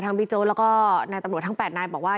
ทั้งบิโจ๊แล้วก็ในตำรวจทั้งแปดนายบอกว่า